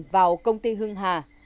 vào công ty hưng hà